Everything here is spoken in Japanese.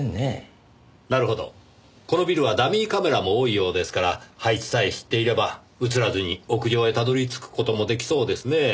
なるほどこのビルはダミーカメラも多いようですから配置さえ知っていれば映らずに屋上へたどり着く事も出来そうですねぇ。